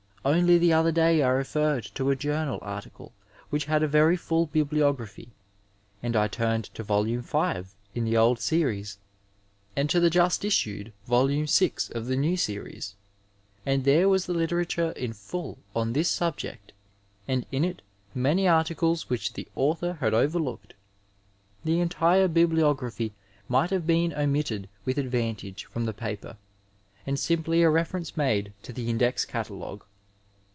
Only the other day I referred to a journal article which had a very full bibliography, and I turned to Volume V in the old series, and to the just issued Volume VI of the new series, and there was the literature in fuU on this subject and in it many articles which the author had overlooked. The entire bibliography might have been omitted with advantage from the paper and simply a reference made to the Index Catalc^e.